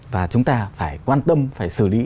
và chúng ta phải quan tâm phải xử lý